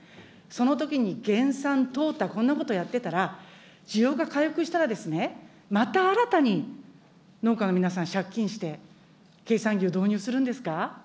そのときに減産、淘汰、こんなことをやっていたら、需要が回復したら、また新たに、農家の皆さん、借金して、経産牛を導入するんですか。